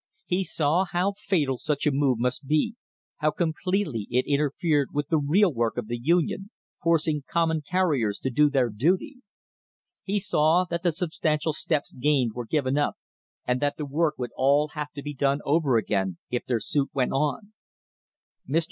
He saw how fatal such a move must be, how completely it interfered with the real work of the Union, forcing common carriers to do their duty. He saw that the substantial steps gained were given up and that the work would all have to be done over again if their suit went on. Mr.